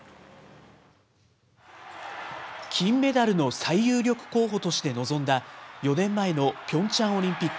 金メダルの最有力候補として臨んだ４年前のピョンチャンオリンピ